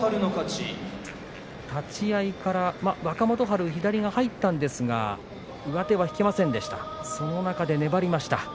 立ち合いから若元春、左が入ったんですが上手は引けませんでした。